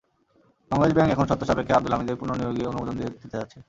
Bangladesh bank এখন শর্ত সাপেক্ষে আবদুল হামিদের পুনর্নিয়োগে অনুমোদন দিতে যাচ্ছে।